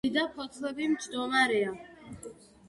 ზედა ფოთლები მჯდომარეა.